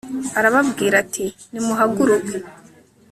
arababwira ati nimuhaguruke